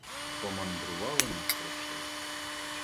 Помандрували навпростець.